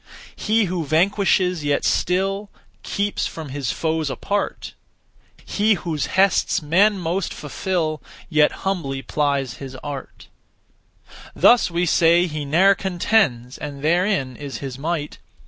He who vanquishes yet still Keeps from his foes apart; He whose hests men most fulfil Yet humbly plies his art. Thus we say, 'He ne'er contends, And therein is his might.'